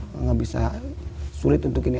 memang bisa sulit untuk ini